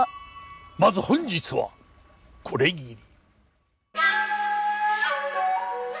まず本日はこれぎり。